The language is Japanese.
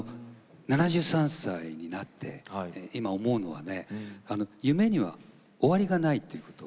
７３歳になって今、思うのは夢には終わりがないということ。